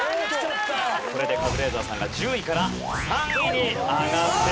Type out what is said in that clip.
これでカズレーザーさんが１０位から３位に上がってきます。